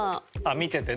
見ててね。